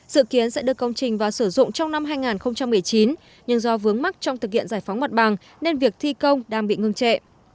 dự kiến sẽ được công trình và sử dụng trong năm hai nghìn một mươi chín nhưng do vướng mắt trong thực hiện giải phóng mặt bằng nên việc thi công đang bị ngưng trệ